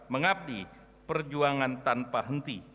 mengabdi perjuangan tanpa henti